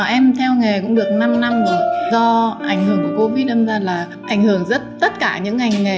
em theo nghề cũng được năm năm rồi do ảnh hưởng của covid âm ra là ảnh hưởng rất tất cả những ngành nghề